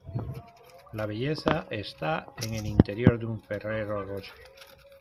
La belleza está en el interior de un Ferrero Rocher.